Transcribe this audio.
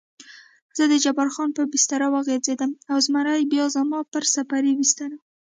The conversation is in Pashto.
زه د جبار خان پر بستره وغځېدم او زمری بیا زما پر سفرۍ بستره.